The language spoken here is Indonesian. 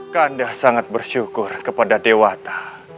kandah sangat bersyukur kepada dewata